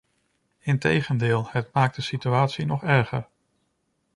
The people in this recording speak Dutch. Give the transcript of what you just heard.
Integendeel: het maakt de situatie nog erger.